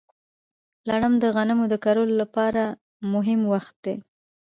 لړم د غنمو د کرلو لپاره مهم وخت دی.